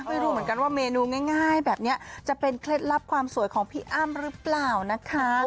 ไม่รู้เหมือนกันว่าเมนูง่ายแบบนี้จะเป็นเคล็ดลับความสวยของพี่อ้ำหรือเปล่านะคะ